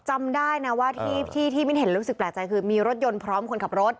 จำได้นะว่าที่มิ้นเห็นรู้สึกแปลกใจคือมีรถยนต์พร้อมคนขับรถ